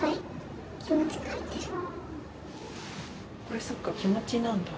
これそっか気持ちなんだ。